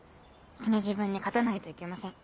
その自分に勝たないといけません。